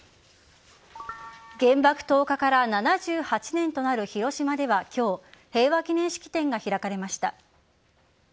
原爆投下から７８年となる広島では今日平和記念式典が開かれました。